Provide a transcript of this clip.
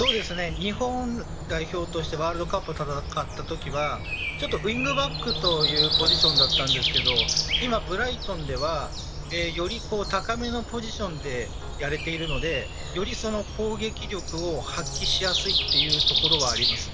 日本代表としてワールドカップを戦ったときはウイングバックというポジションだったんですけど今、ブライトンではより高めのポジションでやれているのでより攻撃力を発揮しやすいというところはあります。